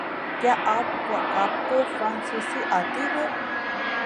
کیا اپ کو فرانسیسی آتی ہے؟